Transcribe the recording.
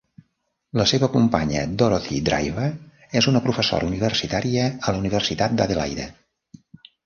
La seva companya, Dorothy Driver, és una professora universitària a la Universitat d'Adelaide.